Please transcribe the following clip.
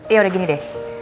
ya udah gini deh